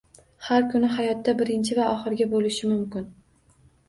Har kuni hayotda birinchi va oxirgi bo'lishi mumkin.